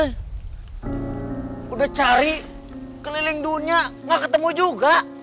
sudah cari keliling dunia gak ketemu juga